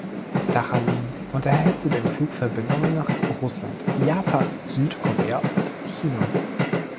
Sachalin unterhält zudem Flugverbindungen nach Russland, Japan, Südkorea und China.